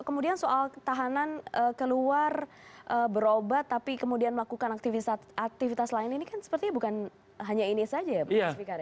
kemudian soal ketahanan keluar berobat tapi kemudian melakukan aktivitas lain ini kan sepertinya bukan hanya ini saja ya mas fikar ya